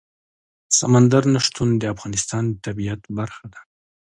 سمندر نه شتون د افغانستان د طبیعت برخه ده.